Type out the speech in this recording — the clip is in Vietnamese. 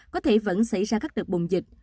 có thể vẫn xảy ra các đợt bùng dịch